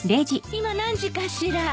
今何時かしら？